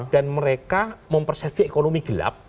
mereka mempersepsi ekonomi gelap